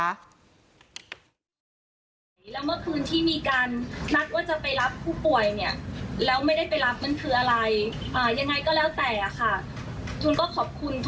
เพิ่งจากการที่เราประสานงานช่วยคนนะคะ